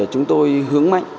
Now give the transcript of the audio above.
chúng tôi hướng mạnh